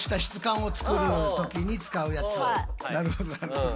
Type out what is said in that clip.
なるほどなるほど。